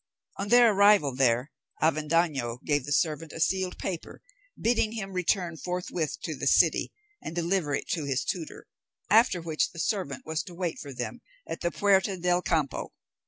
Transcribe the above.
On their arrival there, Avendaño gave the servant a sealed paper, bidding him return forthwith to the city, and deliver it to his tutor, after which the servant was to wait for them at the Puerta del Campo.